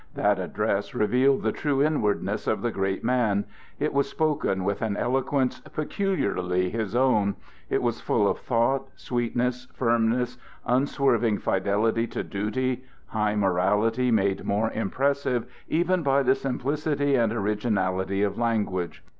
That address revealed the true inwardness of the great man; it was spoken with an eloquence peculiarly his own; it was full of thought, sweetness, firmness, unswerving fidelity to duty, high morality made more impressive even by the simplicity and originality of language.